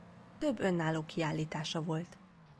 Több önálló kiállítása volt.